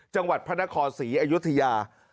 จังหวัดพระนครศรีอยุธยา